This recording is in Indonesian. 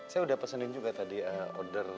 saya udah pesanin juga tadi order